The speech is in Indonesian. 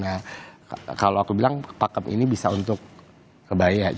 nah kalau aku bilang pakem ini bisa untuk kebaya